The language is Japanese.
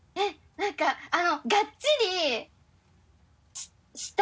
なんかあのがっちりした。